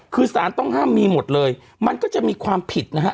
คือสารต้องห้ามมีหมดเลยมันก็จะมีความผิดนะฮะ